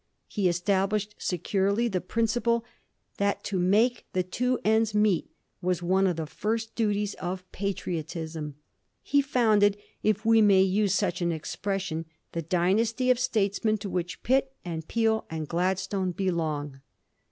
He established securely ihe principle that to make the two ends meet was one of the first duties of patriotism. He founded, if we may use such an ex pression, the dynasty of statesmen to which Pitt, and Peel, and Gladstone belong.